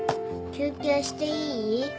休憩していい？